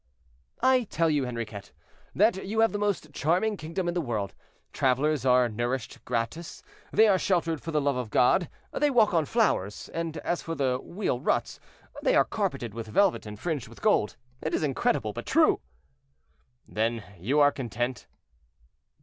"I tell you, Henriquet, that you have the most charming kingdom in the world. Travelers are nourished gratis; they are sheltered for the love of God; they walk on flowers; and as for the wheel ruts, they are carpeted with velvet and fringed with gold. It is incredible, but true." "Then you are content?"